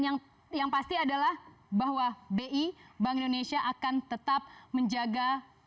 mereka dipilih karena setiap bulan sudah menambah api dan setiap bulan sudah menambah api